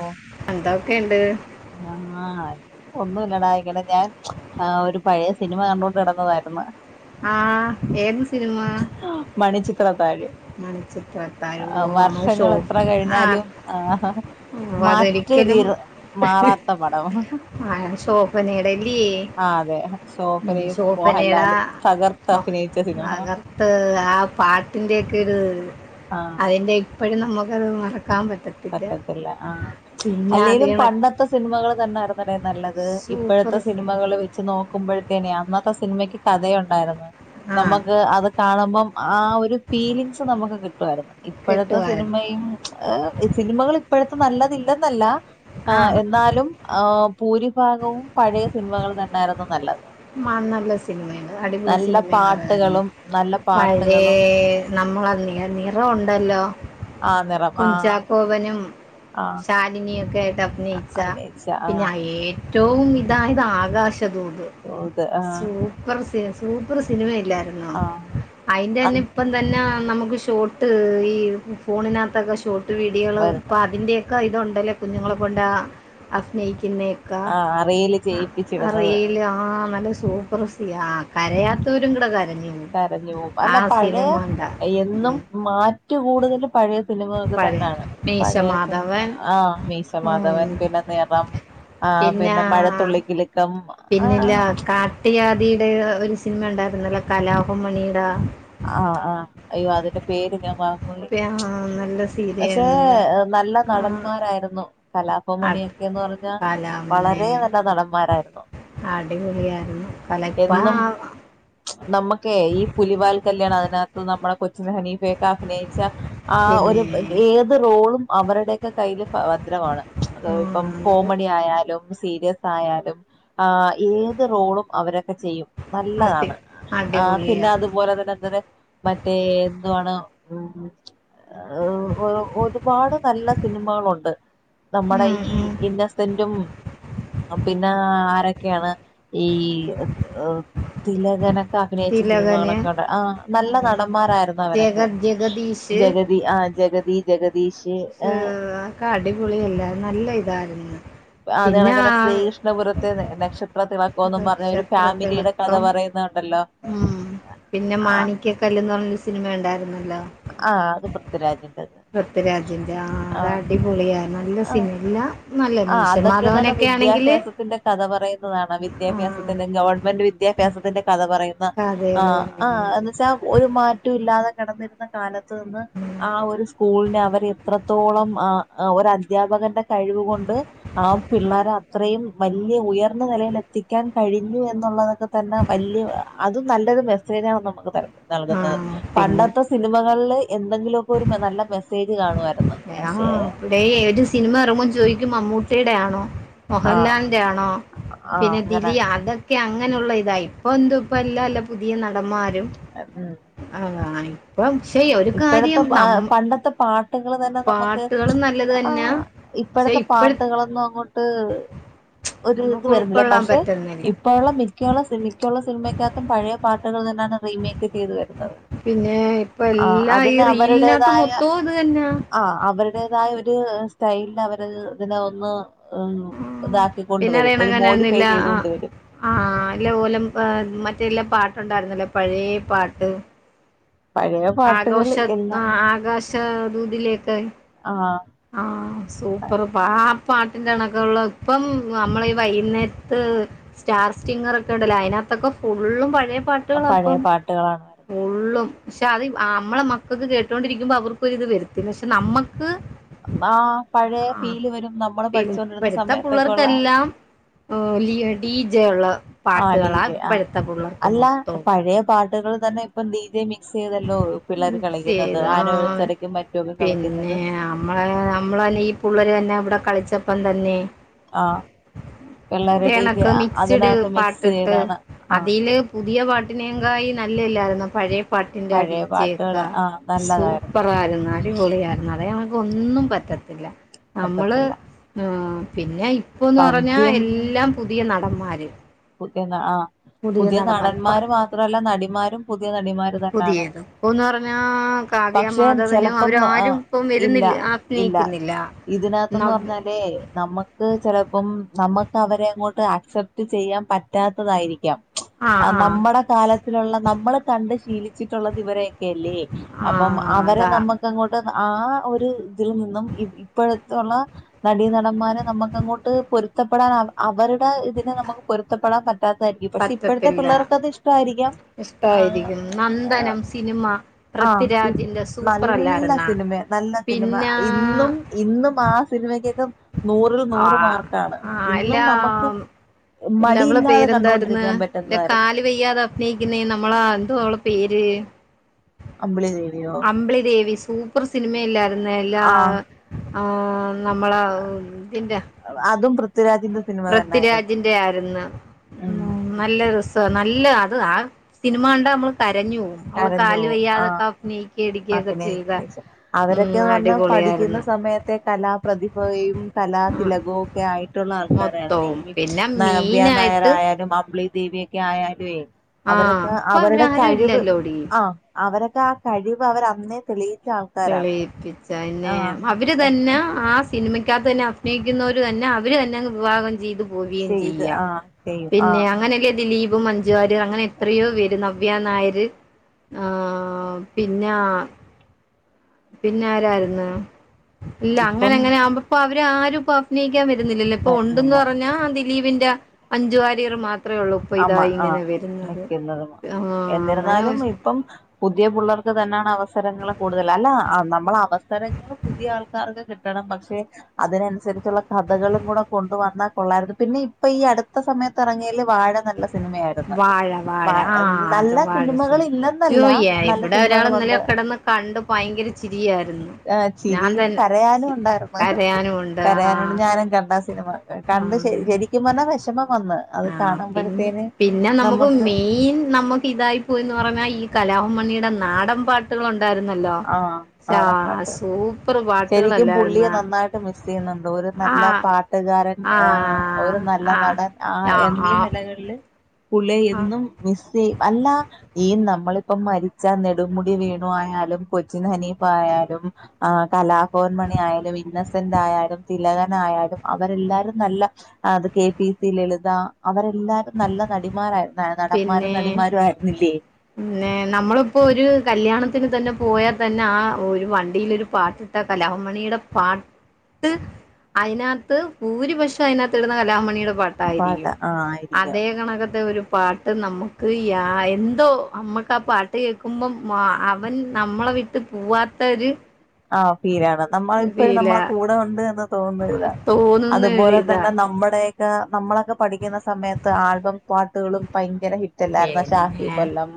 O എന്തൊക്കെയുണ്ട് ആഹ് ഒന്ന ലടായികയുടെ ഞാൻ ആഹ് ഒരു പഴയ സിനിമ കണ്ടോണ്ട്കിടന്നതായിരുന്നു ആഹ് ഏത് സിനിമ മണിച്ചിത്രത്താഴ് മണിചിത്രതാഴ് ഓഹ് നമ്മളെ ശോ വർഷങ്ങൾ എത്ര ആഹ് കഴിഞ്ഞാലും ആഹ് ഓ മാറ്റ് അതൊരിക്കലും തീർ മാറാത്ത പടം ആ ശോഫനേടല്ലേ ആഹ് അതെ ശോഭനയും ശോഫനേടാ മോഹൻലാലും തകർത്ത് അഭിനയിച്ച സിനിമ മകർത്ത് ആഹ് പാട്ടിന്റെ ഉം ആഹ് അതിന്റെ ഇപ്പോഴും നമുക്ക് അത് മറ പറ്റത്തില്ല ആഹ് പിന്നെ അല്ലേലും അതേണ പണ്ടത്തെ സിനിമകൾ തന്നായിരുന്നെടെ നല്ലത് സൂപ്പർ ഇപ്പഴത്തെ സ്- സിനിമകള് വെച്ച് നോക്ക ക്കുമ്പോഴത്തേനെ അന്നത്തെ സിനിമയ്ക്ക് കഥയൊണ്ടായിരുന്നു ആ നമക്ക് അത് കാണുമ്പം ആഹ് ഒരു ഫീലിംഗ്സ് നമുക്ക് കിട് [unintelligible] ഇപ്പെഴത്തെ കെട്ടുവായിരുന്നു സിനിമയും ഏഹ് സിനിമകൾ ഇപ്പെഴത്തെ നല്ലതില്ലന്നല്ല ആ ഏഹ് എന്നാലും ആഹ് പൂരിഭാഗവും പഴേ സിനിമകൾ തന്നേ ആരുന്നു മാ നല്ല സിനിമയാണ് അടിപൊളി നല്ല സിനിമ [unintelligible] തായിരുന്നു പാട്ടുകളും നല്ല പഴേ പാട്ടുകളും നമ്മുളത് നിറ് നിറ ഉണ്ടല്ലോ ആ നിറം ആഹാ നും ശാലിനിയും [unintelligible] ട്ട അഭിനയിച്ച അഭിനയിച്ച പിന്നെ ആഹ് അ ഏഴ് ഏറ്റവും ഇതാ ഇതാകാശ ദൂത്. ആഹ് സൂപ്പറ് സിനിമയ. ല്ലായ്രുന്നോ, ആഹ് അയിൻ്റെന്നെ അത് ഇപ്പന്നെ എന്തല്ലാം നമുക് ഷോട്ട് ഈ ഫോണിനകത്തക്കെ ഷോർട്ട് വീഡിയൊള് വരുന്ന ഇപ്പൊ അതിന്റെ ക്കെ ഇതുണ്ടെല് കുഞ്ഞുങ്ങളെ കൊണ്ട് അക്ന പിന്നെയക്ക ആ റീല് അ ചെയ്യിപ്പിച്ചിടുന്നത് റീൽ ആഹ് സൂപ്പർ സീനാ, ആ കരയാത്തവരും കൂടെ കര കരഞ്ഞു പോവും. അല്ല പഴയ ഉണ്ടാ എന്നും മാ റ്റു കൂടുതലും പഴയ സിനിമയൊക്കെ പഴയ തന്നെയാണ്. മീശ പഴയ സിനിമ മാധവൻ ആഹ് മീശമാധവൻ, ഉം, പിന്നെ നിറം ആഹ് പിന്നാ പിന്നെ മഴത്തുള്ളിക്കിലുക്കം. ആ പിന്നില്ല കാട്ടിയാതി പഴയ ഒരു സിനിമണ്ടായിരുന്നല്ലോ, കലാഭം മണിയുടെ ആ ആ അയ്യോ അതിന്റെ പേര് ഞ [inaudible] നല്ലത് പക്ഷേ നല്ല നടന്മാരായിരുന്നു. അത് കലാഭമണിയൊക്കെന്ന് പറഞ്ഞാൽ കലാമിനെ വളരെ നല്ല നടന്മാരായിരുന്നു. അടിപൊളിയായിരുന്നു [inaudible] കലപ്പ എന്നും ച്ചെ നമ്മുക്കേ ഈ പുലിവാൽക്കല് അതിനകത്ത് നമ്മുടെ കൊച്ചിൻ ഹനീഫയൊക്കെ അഭിനയിച്ച ആഹ് ഒരു പിന്നെ ഏത് റോളും അവരുടെയൊക്കെ കയ്യില് ഫ ഭദ്രമാണ്. ച്, ആ അത്പ്പം കോമടി ആയാലും സീരിയസ് ആയാലും, ആ ഏത് റോളും അവരൊക്കെ ചെയ്യും. അടി നല്ലതാണ്. ആ അടിപൊളിയാ പിന്നെ അതുപോലെ തന്നെ തന്നെ മറ്റേ എന്തുവാണ് [inaudible] ഹെ ഹ്, ഒരുപാട് നല്ല സിനിമകളുണ്ട്. നമ്മുടെ ഉം ഈ ഉം ഇന്നസെന്റും ആഹ് പിന്നെ ആരരക്കെയാണ് ഈഹത്ത് ഹ് തിലകന അഭിനയിച്ച തിലകന് സിനിമകളൊക്കെ ഒണ്ട് ആഹ് നല്ല നടന്മാരായിരുന്നു അവരൊക്കെ ജഗത് ജഗദ ആഹ് ജഗതി ജഗതി ജഗദീഷ് ആഹ് കാടിപുളിയല്ല നല്ല ഇതായിരുന്നു. അതേ പിന്നെ ആ കണക്ക്തന്നെ ശ്രീകൃഷ്ണപുരത്തെ നക്ഷത്രത്തിള - പോന്നും പറഞ്ഞ് ഒരു ഫാമിലിയുടെ കഥ നക്ഷത്രത്തിളക്കം പറയുന്ന കണ്ട് ഉം പിന്നെ മാണിക്കക്കല്ലെന്ന് പറഞ്ഞ ഒ- സിനിമ ഉണ്ടായിരുന്നു ഇല്ല ആ അത് പൃഥ്വിരാജിന്റെത് പൃഥ്വിരാജിന്റെ ആ അത് അടിപൊളിയ നല്ല ആഹ് സീൻല്ല ആ അതൊക്കെന്ന് പറഞ്ഞാ വിദ്യാഭ്യാസത്തിന്റെ കഥ പറയുന്നതാണ് ആ വിദ്യാഭ്യാസത്തിന്റെ ഗവൺമെന്റ് വിദ്യഭ്യാസത്തിന്റെ കഥ പറയുന്ന കഥകള് ആഹ് ആഹ് പറയുന്നത് എന്ന് വെച്ചാ ഒരു മാറ്റം ഇല്ലാത കടന്നിരുന്ന കാലത്ത് ന്ന് ആ ഒരു സ്കൂളിനെ അവർ എത്ര ത്തോളം ആ ഒരു അധ്യാപകന്റെ കഴിവ് കൊണ്ട്- കൊണ്ട് ആ പിള്ളേരെ അത്രയും വലിയ ഉയർന്ന നിലയിൽ എത്തിക്കാൻ കഴിഞ്ഞു എന്നുള്ളതൊക്കെ- തന്നെ വലിയ അതും - നല്ലയൊരു മെസ്സേജാണ് നമുക്ക് തരുന്നത് ആ നൽകുന്നത് പിന്നെ പണ്ടത്തെ സിനിമകളില് - എന്തെങ്കിലുമൊക്കെ ഒരു നല്ല മെസ്സേജ് കാണുമായിരുന്നു ആ പക്ഷേ ഇവിടേം ഏത് സിനിമ ഇറങ്ങുമ്പോൾ ചോദിക്കും മമ്മൂട്ടി- ടെയാണോ ആഹ് മോഹൻലാാലിന്റെ ആണോ ആഹ് പിന്നെ അങ്ങനെ ദിലി അതൊക്കെ അങ്ങനെയുള്ള ഇതാ ഇപ്പൊ എന്ത് ഇപ്പല്ല അല്ല പുതിയ നടന്മാ ഉം [unintelligible] ആഹ് [unintelligible] പ്ലം ഇപ്പോഴത്തെ ആഹ് പണ്ടത്തെ പാട്ടുക [unintelligible] നമുക്ക് പാട്ടുകളും നല്ലത് തന്നാ ആഹ് പക്ഷെ ഇപ്പോഴത്തെ ഇപ്പഴത്തെ പാട്ടുകളൊന്നും അങ്ങോട്ട് ഒരു ഇത് നമുക്ക് വരുന്നില്ല ഉൾക്കൊള്ളാൻ പക്ഷെ പറ്റുന്നില്ല ഇപ്പോഴുള്ള മിക്കുള്ള മിക്കുള്ള സിനിമക്കതും പഴയ പാട്ടുകൾ തന്നെയാണ് റീമേക്ക് ചെയ്ത് വരുന്നത് പിന്നെ ഇപ്പൊ ആഹ് എല്ലാ ഈ അതിന് റീലിനകത്ത് അവരുടേതായ മൊത്തവും ഇത് തന്നാ അവര്ടേതായ ഒരു സ്റ്റൈല് അവര് ഇതിനെ ഒന്ന് ഉം ഇതാക്കിക്കൊണ്ട് പിന്നെ വരും അറിയണം ഒരു മോഡിഫൈ കനെന്നില്ല ആ ചെയ്തൊണ്ട് വരും ആല്ലോലം മറ്റേല്ല പാ ണ്ടായിരുന്നല്ലേ പഴേ പാട്ട് പഴയ പാട്ടുകൾ ആകോശം ആ എല്ലാം ആകാശദൂതിലേക്കായി ആഹ് ആ സൂപ്പർ പാ ആ പാട്ടിന്റെ കണക്കെ ഒള്ള ഇപ്പം നമ്മളെ ഈ വൈകുന്നേരത്ത് സ്റ്റാർ സ്റ്റിങ്ങർ ഒക്കെ ഉണ്ടല്ലോ അതിനകത്തൊക്കെ ഫുള്ളും പഴയ പാ പാട്ടുകളാ പഴയ ഇപ്പം പാട്ടുകളാണ് വരുന്നത് ഫുള്ളും പക്ഷെ അത് അമ്മളെ മക്കക്ക് കേട്ടോണ്ടിരിക്കുമ്പോ അവർക്കൊരിത് വരുത്തില്ല പക്ഷെ നമ്മക്ക് അന്നാ പഴയ ആഹ് ഫീല് വരും നമ്മള് പിന്നെ പഠിച്ചോണ്ടിരുന്ന ഇപ്പഴത്തെ സമയത്തൊക്കെ ഒള്ള പിള്ളേർക്കെല്ലാം ഡി ജെ യൊള്ള ആഡ് ചെയ്ത് ആ അല്ല മൊത്തവും പഴയ പാ ട്ട്കൾ തന്നെ ഇപ്പ ഡീജേ മിക്സ് ചെയ്ത ആ ആനിവേഴ്സറിക്കും മറ്റുമൊക്കെ കളിക്കുന്നത് പിന്നെ അമ്മള് അമ്മള്ന്നെ ഈ പുള്ളാര് തന്നെ ഇവിടെ കളിച്ച പ്പം തന്നെ ആ പിള്ളേര് ഡി ജെ ഇത്കണക്കെ മിക്സ്ഡ് അതിനകത്ത് മിക്സ് പാട്ടിട്ട് ചെയ്താണ് ആ അതീല് പുതിയ പാട്ടിനേയുംകായി നല്ലേല്ലായിരുന്നോ പഴയ പാട്ടിന്റെ ആ പഴയ ഡിജെ ഒക്ക പാട്ടുകള് ആ നല്ലതായിരുന്നു സൂപ്പർ ആയിരുന്നു അടിപൊളിയായിരുന്നു അതാ ഞാൻപ ഒന്നും പറ്റത്തില്ല നമ്മള് പറ്റത്തില്ല ആ പിന്നെ ഇ പ്പോന്ന് പറഞ്ഞാ പദ്യം എ പുതിയ നടന്മാര് [unintelligible] ആ പുതിയ നടന്മാര് മാത്രല്ല നടിമാരും പുതിയ നടിമാ അതുകൊണ്ടാണ് പുതിയത് എന്ന് പറഞ്ഞാ കാവ്യ പക്ഷെ മാധവനും ചിലപ്പം ആഹ് അവരാരും ഇപ്പം ഇല്ല വരുന്നില്ല ഇല്ല അഭിനയിക്കുന്നില്ല ഇതിനകത്ത് എന്ന് നവ്യ പറഞ്ഞാലേ നമ്മുക്ക് ചിലപ്പം നമ്മുക്ക് അവരെ. അങ്ങോട്ട് ആക്സെപ്റ്റ് ചെയ്യാൻ. പറ്റാത്തതായിരിക്കാം. ആഹ് ആഹ് നമ്മുടെ കാലത്തിലുള്ള നമ്മള് കണ്ട് ശീലിച്ചിട്ടുള്ളത് ഇവരൊക്കെല്ലേ, അപ്പം ആഹ് അവരെ അതാ നമ്മുക്ക് അങ്ങോട്ട്. ആ ഒരു ഇതിൽ നിന്നും ഇപ്പോഴത്തുള്ള നടീ നടന്മാരെ നമുക്ക് അങ്ങോട്ട് പൊരുത്തപ്പെടാൻ അവരുടെ ഇതിനെ നമു പെരുത്തപ്പെട പറ്റാ റ്റാത്തതായിരിക്കും പക്ഷെ ഇപ്പോഴത്തെ പറ്റത്തില്ല പിള്ളേർക്ക് അത് ഇഷ്ടമായിരിക്കാം, ഇഷ്ടായിരിക്കും ആഹ് നന്ദനം സിനിമ ആഹ് പൃഥ്വിരാജിന്റെ നല്ല സൂപ്പറല്ലായിരുന്നാ സിനിമ നല്ല സിനിമ പിന്നെ ഇന്നും ഇന്നും ആ സിനിമക്കൊക്കെ. നൂറിൽ നൂറ് ആഹ് മാർക്കാണ് ആഹ് ഇന്നും നമുക്ക്. എല്ലാം ഇല്ല അവള മടിയില്ലാതെ പേരെന്തായിരുന്ന് കണ്ടോണ്ടിരിക്കാൻ ഇല്ല പറ്റുന്നതായിരുന്നു കാല് വെയ്യാതെ അഭിനയിക്കുന്നേ നമ്മളാ എന്തോ അവള പേര് അമ്പിളി ദേവിയോ [unintelligible] [unintelligible] സിനിമല്ലായിരുന്ന ല്ലാ ആഹ് ആഹ് നമ്മള [unintelligible] അതും പൃഥ്വിരാജിന്റെ സിനിമ തന്നായിരുന്നു പൃഥ്വിരാജിന്റെ ആര്ന്നു ഉം നല്ല രസ നല്ല ല്ല അത് ആ സിനിമ കണ്ട നമ്മ കര ഞും പോകും അവള് കരഞ്ഞു കാല് പോവും വയ്യാതൊക്കെ അഭിനയ് ആഹ് പിന്നെ അവരൊക്കെന്ന് പർഞ്ഞാ പഠിക്കുന്ന അടിപൊളിയായിരുന്നു സമയത്തെ കലാപ്രതിഭയും കലാ ആഹ് തിലകൊക്കെ ആയിട്ട് ൾക്കാരാ മൊത്തവും നെയ്യും പിന്നെ നവ്യാ മീനായിട്ട് നായരായാലും അമ്പിളി ദേവിയൊക്കെ ആയാല്യേ ആഹ് അവരൊക്കെ ഇപ്പൊ അവരുടെ അവരാരും കഴിവ് ഇല്ലല്ലോടി ആഹ് അവരെ താ കഴിവ് പ്പവരു അന്നേ തെളി തെളിയിപ്പിച്ചന്നെ അവര് തന്നെ ആ സിനിമക്കാകത്ത് തന്നെ അഭിനയിക്കുന്നവര് തന്നെ അവര് തന്നെ അങ്ങ് വിവാഹം ചെയ്തു പോവുകയും ചെയ്ത് ചെയ്യാ ആ ചെയ്യും ആ പിന്നെ അങ്ങനെല്ലേ ദിലീപും മഞ്ജു വാര്യർ അങ്ങനെ എത്രയോ പേര് വ്യ നായര് ആഹ് പിന്നെ ആഹ് പിന്നെ ആരായിര്ന്ന് ഇല്ല ഇപ്പം അങ്ങനെങ്ങനെ ആവുമ്പോ ഇപ്പം അവരേ ആരും പ്പം അഭിനയി ക്കാ വരുന്നില്ലല്ലോ ഇപ്പം ഉണ്ടെന്ന് വരുന്നില്ല പറഞ്ഞ ദിലീപി ടാ മഞ്ജു വാര്യർ മാത്രേ ഒള്ളൂ ഇപ്പൊ ആമ്മ ഇതായി ആഹ് ഇങ്ങനെ വരുന്നത് നിക്കുന്നത് ആഹ് അങ്ങനെ എന്നിരുന്നാലും ഇപ്പം പുതിയ പുള്ളാർക്ക് തന്നെണ് അവസരങ്ങൾ കൂടുതല് അല്ല നമ്മൾ അവസരങ്ങൾ പുതിയ ആൾക്കാർക്ക് കിട്ടണം പക്ഷെ അതിനനുസരിച്ചുള്ള കഥകളും കൂടെ കൊണ്ടു വന്നാൽ കൊള്ളായിരുന്നു പിന്നെ ഇപ്പൊ ഈ അടുത്ത സമയത്ത് തെഎറങ്ങേലും വാഴ നല്ല സിനിമയായിരുന്നു വാഴ വാഴ ആ നല്ല അത് വാഴ സിനിമകൾ സിനിമ ഇല്ലെന്നല്ല അയ്യോ നല്ല ഇവിടെ ഒരാൾ ഇന്നലെ സിനിമകളുണ്ട് കിടന്ന് കണ്ട് ഭയങ്കര ചിരിയായിരുന്നു അ് ഞാൻ ചിരിയും തന്നെ കരയാനും ഉണ്ടായിരുന്നു കരയാനും ഉണ്ട് ആ കരയാനുണ്ട് ഞാനും കണ്ട ആ സിനിമ ആ കണ്ട് ശരി ശരിക്കും പറഞ്ഞാ വെഷമം വന്ന് അത് ആ പിന്നെ കാണുമ്പോഴത്തേന് പിന്നെ നമുക്ക് മെയിൻ നമ്മുക്ക് ഇതായി പോയിന്ന് പറഞ്ഞാ ഈ കല കലാഭവൻ മണിയുടെ നാടൻ പാട്ടുകളുണ്ട് ആഹ് നാടൻ പാട്ട് സൂപ്പർ ശരിക്കും പുള്ളിയെ പാട്ടുകളല്ലായിരുന്നോ നന്നായിട്ട് മിസ് ചെയ്യുന്നുണ്ട് ഒരു ആ നല്ല പാട്ടുകാരൻ ആ ഒരു നല്ല ആ നടൻ ആഹ് ആ എന്നീ ആ നിലകൾല് പുള്ളിയെ ആ എന്നും മിസ് ചെയ് അല്ലാ ഈ നമ്മളിപ്പം മരിച്ച നെടുമുടി വേണു ആയാലും കൊച്ചിൻ ഹനീഫായാലും ആ കലാഭവൻ മണി ആയാലും ഇന്നസെന്റ് ആയാലും തിലകനായാലും അവരെല്ലാരും നല്ല അത് കെ പി സി ലളിത അവരെല്ലാരും നല്ല നടിമാരായിരുന്നു നടന്മാരും പിന്നെ നടിമാരും ആയിരുന്നില്ലേ പിന്നെ നമ്മള്പ്പോ ഒരു കല്യാണത്തിന് തന്നെ പോയാ തന്നെ ആ ഒരു വണ്ടിയിലൊരു പാട്ടിട്ടാ കലാഭവൻ മണിയുടെ പാട്ട് അയ്നക് ത്ത് ഭൂരിപക്ഷം അയ്നക് ത്ത് ഇടുന്ന കലാഭവൻ മണിയുടെ പാട്ട് പാട്ടായിരിക്കും ആഹ് ആയിരിക്കാം അതേ കണകത്തെ ഒരു പാട്ട് നമ്മുക്ക് യാഎന്തോ അമ്മക്ക് ആ പാട്ട് കേൾക്കുമ്പം മാ അവൻ നമ്മളെ വിട്ട് പോവാത്ത ഒരു ആഹ് തീരാണ് നമ്മള എപ്പഴും ഫീല നമ്മളെ കൂടെ ഉണ്ട് എന്ന് തോന്ന് ല്ല തോന്നുന്ന അതുപോലെ ഒരിതാ തന്നെ നമ്മടെ [unintelligible] നമ്മളൊക്കെ പഠിക്കുന്ന സ സമയത്ത് ആൽബം പാട്ട് ട്ടുകളും പൈ ങ്കര ഹിറ്റ്ല്ലായിരുന്നോ ഷാഫി പിന്നെ കൊല്ലം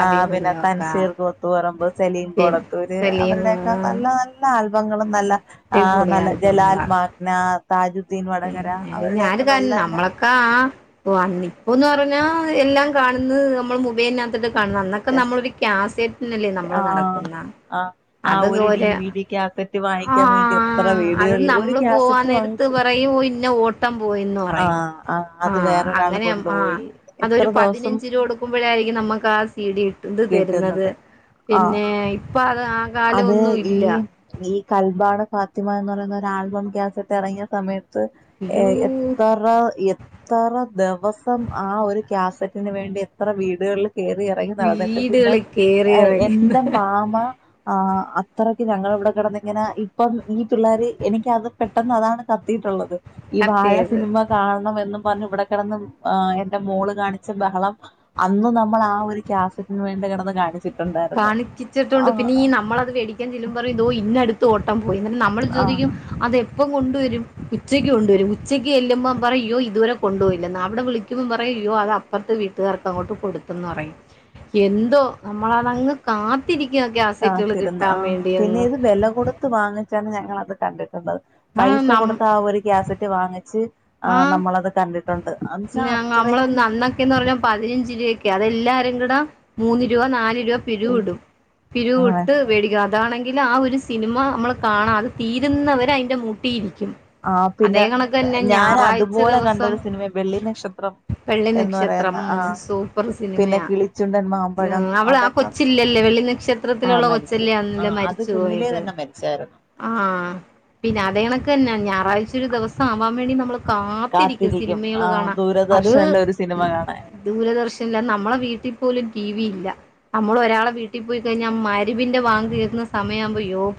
ആ പിന്നെ കൊല്ലൊക്ക തൻസീർ കൂത്തു പറമ്പ് സലീം പിന്നെ കോടത്തൂര് സലീം അവരുടെ നല്ല അടിപൊളി നല്ല ആൾക്ക ബങ്ങളും നല്ല ആ നല്ല ആൽബങ്ങളാ ജലാത്മാഗ്ന താജുദ്ദീൻ വടകര പിന്നെ അവരുടെയൊക്കെ നല്ല നല്ല ഒ അന്ന് ഇപ്പെന്ന പറഞ്ഞാ എല്ലാം കാണന്നത് നമ്മൾ മെബൈൽനത്തിട്ട് കാണ്ന്നു അന്നൊക്കെ രസ നമ്മള കാസറ്റ്നല്ലേ നമ്മള് ആ നടക്കുന്ന ആ ആ അത് ഒരു ഡി ഒര് വി ഡി കാസറ്റ് ആ വാങ്ങിക്കാൻ വേണ്ടി എത്ര അത് വീടുകളിൽ ഒരു നമ്മള് പോവാ കാസറ്റ് നേരത്ത് വാങ്ങിച്ചു [unintelligible] ത്തം പോയിന്ന് പറയും ആഹ് ആഹ് ആ അത് വേറൊരാള് അങ്ങനെ ആ കൊണ്ടുപോയി എത്ര അതൊരു ദിവസം പതിനഞ്ച് രൂപ കൊടുക്കുമ്പോഴായിരിക്കും നമുക്ക് ആ സീഡി [unintelligible] തരുന്നത് കിട്ടുന്നത് ആഹ് പിന്നെ ഇപ്പൊ അത് ആ കാലം അത് ഒന്നും ഇല്ല ഈ ഈ കൽബാണ ഫാത്തിമ എന്ന് പറയുന്ന ഒരു ആൽബം കാസറ്റ് എറങ്ങ്യ സമയത്ത് ത് അയ്യോ എത്തറ എത്തറ ദിവസം ആ ഒരു പറ്റിന് വേണ്ടി എത്ര വീടുകളില് കേറിയെറങ്ങി നടന്നിട്ട് പിന്നെ വീടുകളിൽ കേറി ഇറങ്ങുന്ന എന്റെ മാമ ആ അത്രക്ക് ഞങ്ങള ഇവിടെ കെടന്നിങ്ങനെ ഇപ്പം ഈ പിള്ളേര് എനിക്ക് അത് പെട്ടെന്ന് അതാണ് കത്തിയിട്ടുള്ളത് ഈ വാഴ കഥയത് സിനിമ കാണണമെന്നും പറഞ്ഞു ഇവിടെ കിടന്ന് ആ എന്റെ മോള് കാണിച്ച ബഹളം അന്ന് നമ്മള് ആ ഒരു ക്യാസറ്റിനുവേണ്ടി കിടന്ന് കാണിച്ച് കാണിച്ചിട്ടുണ്ട് പിന്നെ ഈ നമ്മളെ മേടിക്കാൻ ചെല്ലുമ്പോ പറയും ഇതോ ഇന്നടുത്ത് ഓട്ടം പോയിന്നിട്ട് നമ്മള് ആ ചോദിക്കും അതെ ഇപ്പം കൊണ്ടുവരും ഉച്ചക്ക് കൊണ്ടുവരും ഉച്ചയ്ക്ക് ചെല്ലുമ്പോ പറയും അയ്യോ ഇതുവരെ കൊണ്ടുപോയില്ലെന്ന്, അവിടെ വിളിക്കുമ്പോ പറയും അത് അപ്പുറത്തെ വീട്ടുകാർക്ക് അങ്ങോട്ട് കൊടുത്തന്ന് പറയും എന്തോ നമ്മളെ. അങ്ങ് കാ കാത്തിരുന്നു, ആഹ് പിന്നെ ഇത് വില കൊടുത്ത് വാങ്ങിച്ചു ഒന്ന്. അത് കണ്ടിട്ട് ഉള്ളത് ആ പൈസ കൊടുത്ത ആ ഒരു ക്യാസറ്റ് വാങ്ങിച്ച്. ആ ആഹ് നമ്മളത് കണ്ടിട്ടുണ്ട് എന്നച്ചാ പിന്നെ നമ്മള് അത്രയ്ക്കും അന്നൊക്കെന്ന് പറഞ്ഞാല് പതിനഞ്ച് രൂപക്ക് അതു. എല്ലാരും കൂടെ മൂന്ന് രൂപ നാല് രൂ പിവിടും ആ പിരുട്ട് വേടിക്കണം അതാണെങ്കിൽ ആ ഒരു സിനിമ നമ്മൾ കാണാം അത് തീരുന്നവരെ അതിൻ്റെ മുട്ടിയിരിക്കും ആ അതേ പിന്നെ- കണക്ക് തന്നെ ഞാൻ ഞായറാഴ്ച അതുപോലെ ദിവസം കണ്ടൊരു സിനിമ വെള്ളി നക്ഷത്രം വെള്ളി എന്ന് പറയുന്ന നക്ഷത്രം ആ മ് സൂപ്പർ പിന്നെ സിനിമയാ കിളിച്ചുണ്ടൻ മാമ്പഴം അവള് ആ അതൊക്കെ കൊച്ചില്ലല്ലേ വെള്ളി ആ നക്ഷത്രത്തിലുള്ള മരിച്ച് കൊച്ചല്ലേ ആ അന്നല്ലേ അത് മരിച്ചു കുഞ്ഞിലേ പോയത് തന്നെ മരിച്ചായിരുന്നു ആ പിന്നെ അതേകണക്ക് തന്നാ- ഞായറാഴ്ച ഒരു ദിവസം ആവാൻവേണ്ടി നമ്മള്- കാത്തിരിക്കും സിനിമകൾ ആ കാണാ അത് ദൂരദർശനിലെ ഒരു സിനിമ കാണാൻ ദൂരദർശനില്ല നമ്മളെ വീട്ടിൽ- പോലും ടി വി ഇല്ല നമ്മള് ഒരാളെ വീട്ടിൽ പോയി കഴിഞ്ഞാൽ മഗരിബിന്റെ വാങ്ക് കേൾക്കുന്ന സമയാകുമ്പോ അയ്യോ